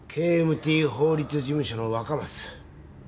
ＫＭＴ法律事務所の若松。